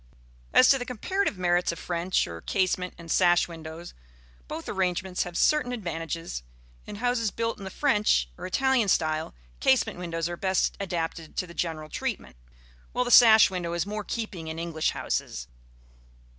As to the comparative merits of French, or casement, and sash windows, both arrangements have certain advantages. In houses built in the French or Italian style, casement windows are best adapted to the general treatment; while the sash window is more in keeping in English houses.